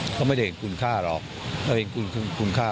เขาไม่ได้เห็นคุณค่าหรอกเขาเห็นคุณค่า